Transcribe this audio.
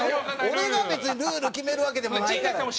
俺が別にルール決めるわけでもないから。